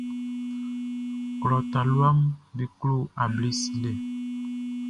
Klɔ taluaʼm be klo able silɛ.